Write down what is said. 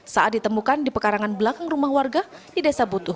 saat ditemukan di pekarangan belakang rumah warga di desa butuh